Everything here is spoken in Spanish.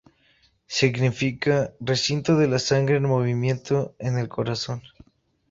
Significa ‘Recinto de la sangre en movimiento en el corazón’.